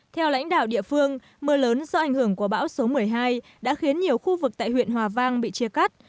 theo lãnh đạo địa phương mưa lớn do ảnh hưởng của bão số một mươi hai đã khiến nhiều khu vực tại huyện hòa vang bị chia cắt